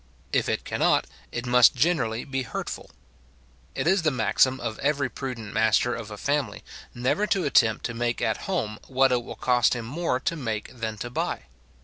If it cannot, it must generally be hurtful. It is the maxim of every prudent master of a family, never to attempt to make at home what it will cost him more to make than to buy.